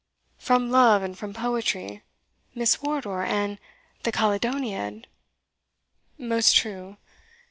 "From love and from poetry Miss Wardour and the Caledoniad?" "Most true."